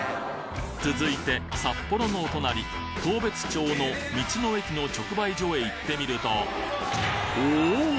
続いて札幌のお隣当別町の道の駅の直売所へ行ってみるとおお！